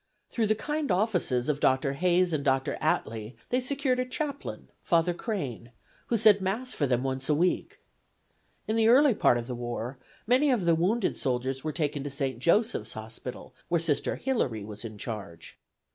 Through the kind offices of Dr. Hayes and Dr. Atlee they secured a chaplain, Father Crane, who said Mass for them once a week. In the early part of the war many of the wounded soldiers were taken to St. Joseph's Hospital, where Sister Hillary was in charge.